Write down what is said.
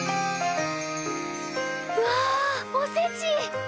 うわおせち！